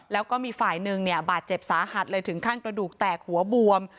แล้วก็มีฝ่ายหนึ่งเนี่ยบาดเจ็บสาหัสเลยถึงขั้นกระดูกแตกหัวบวม